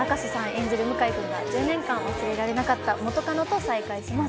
赤楚さん演じる、向井くんが１０年間忘れられなかった元カノと再会します。